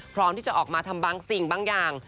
พร้อมที่จะออกมาทำบางสิ่งบางอย่าง